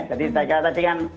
jadi saya kira tadi kan